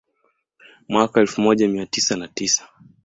Mwaka elfu moja mia tisa na tisa